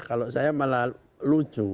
kalau saya malah lucu